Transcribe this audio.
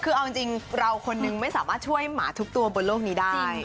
คือเอาจริงเราคนนึงไม่สามารถช่วยหมาทุกตัวบนโลกนี้ได้